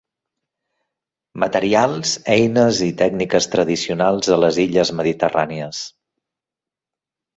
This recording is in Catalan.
Materials, eines i tècniques tradicionals a les illes mediterrànies.